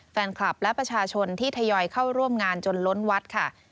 แฟนคลับและประชาชนที่ทยอยเข้าร่วมงานจนล้นวัดค่ะ